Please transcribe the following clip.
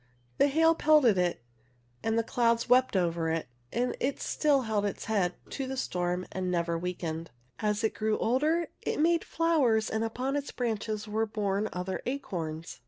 The hail pelted it and the L loLids wept over it, and still it held its liL id to the storm and never weakened. As it grew older it made flow ' ers, and upon its branches were borne other acorns.